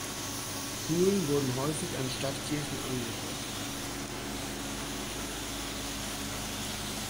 Schulen wurden häufig an Stadtkirchen angeschlossen.